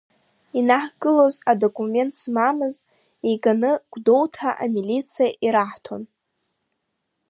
Инаҳкылоз, адокумент змамыз иганы Гәдоуҭа амилициа ираҳҭон.